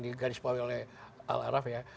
di garis pauli oleh al araf ya